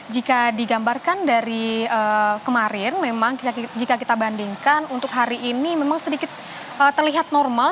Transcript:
jika digambarkan dari kemarin memang jika kita bandingkan untuk hari ini memang sedikit terlihat normal